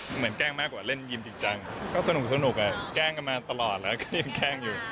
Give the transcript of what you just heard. แกล้งมากกว่าเล่นยิมจริงจังก็สนุกแกล้งกันมาตลอดแล้วก็ยังแกล้งอยู่